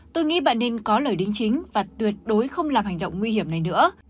tôi nghĩ bạn nên có lời đính chính và tuyệt đối không làm hành động nguy hiểm này nữa